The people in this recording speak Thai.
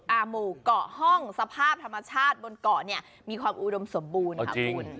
อาหมู่เกาะห้องสภาพธรรมชาติบนเกาะมีความอุดมสมบูรณ์